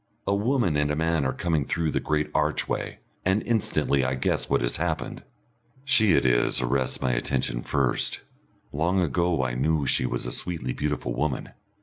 A woman and a man are coming through the great archway and instantly I guess what has happened. She it is arrests my attention first long ago I knew she was a sweetly beautiful woman.